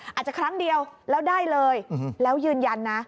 อาจจะครั้งเดียวแล้วได้เลยแล้วยืนยันนะ